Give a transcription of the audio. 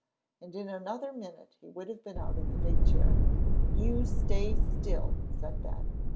And in another minute he would have been out of the big chair. "You stay still," said Ben.